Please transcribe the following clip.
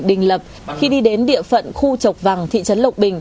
đình lập khi đi đến địa phận khu chọc vàng thị trấn lộc bình